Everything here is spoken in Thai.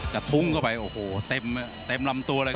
กระทุ้งเข้าไปโอ้โหเต็มลำตัวเลย